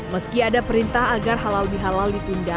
meski ada perintah agar halal bihalal ditunda